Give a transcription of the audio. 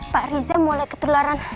pak riza mulai ketularan